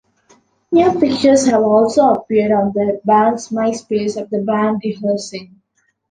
New pictures have also appeared on the band's Myspace of the band rehearsing.